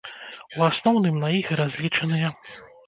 У асноўным на іх і разлічаныя.